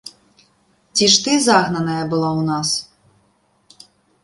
Ці ж ты загнаная была ў нас?